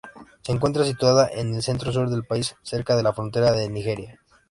Se encuentra situada en el centro-sur del país, cerca de la frontera con Nigeria.